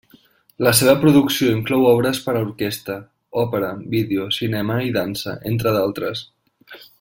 La seva producció inclou obres per a orquestra, òpera, vídeo, cinema i dansa, entre d'altres.